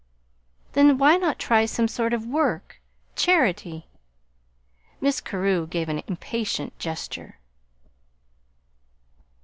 "Then why not try some sort of work charity?" Mrs. Carew gave an impatient gesture.